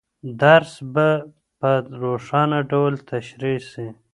درس به په روښانه ډول تشریح سي.